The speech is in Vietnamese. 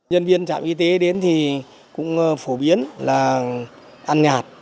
nhân viên trạm y tế đến thì cũng phổ biến là ăn nhạt